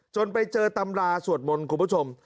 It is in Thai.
ไปเจอตำราสวดมนต์คุณผู้ชม